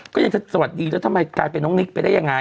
ก็ยังจะสวัสดีแล้วทำไมกลายเป็นน้องนิกไปได้ยังไง